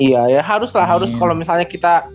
iya ya harus lah harus kalau misalnya kita